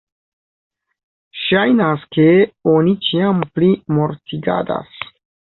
Ŝajnas, ke oni ĉiam pli mortigadas.